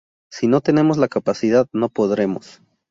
Si no tenemos la capacidad, no podremos.